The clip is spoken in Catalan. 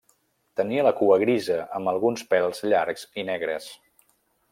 Tenia la cua grisa amb alguns pèls llargs i negres.